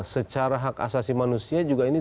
secara hak asasi manusia juga ini